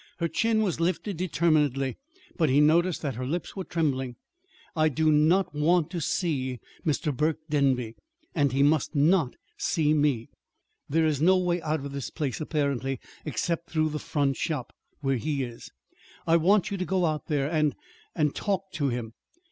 Her chin was lifted determinedly, but he noticed that her lips were trembling. "I do not want to see Mr. Burke Denby, and he must not see me. There is no way out of this place, apparently, except through the front shop, where he is. I want you to go out there and and talk to him.